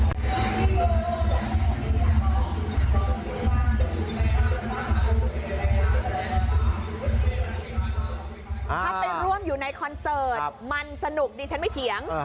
ถ้าไปร่วมอยู่ในคอนเสิร์ตมันสนุกดิฉันไม่เถียง